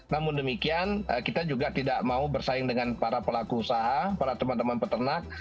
namun demikian kita juga tidak mau bersaing dengan para pelaku usaha para teman teman peternak